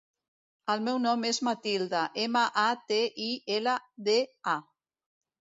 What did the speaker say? El meu nom és Matilda: ema, a, te, i, ela, de, a.